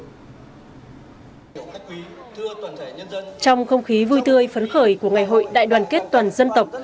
trong không khí vui tươi phấn khởi của ngày hội đại đoàn kết toàn dân tộc